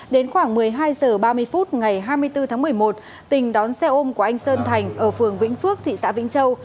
đến khoảng một mươi hai h ba mươi phút ngày hai mươi bốn tháng một mươi một tình đón xe ôm của anh sơn thành ở phường vĩnh phước thị xã vĩnh châu